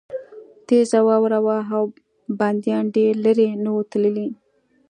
تېزه واوره وه او بندیان ډېر لېرې نه وو تللي